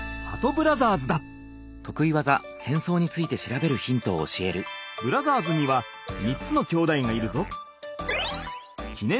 ブラザーズには３つのきょうだいがいるぞ。